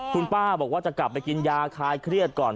คุณป้าบอกว่าจะกลับไปกินยาคลายเครียดก่อน